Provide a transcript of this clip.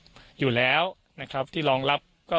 ในนี้ได้วิจัยทั้งแล็บที่รองรับ